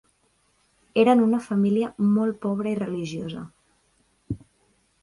Eren una família molt pobra i religiosa.